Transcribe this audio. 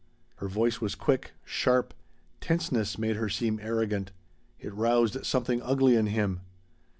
Her voice was quick, sharp; tenseness made her seem arrogant. It roused something ugly in him.